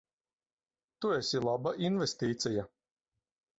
Tu esi laba investīcija.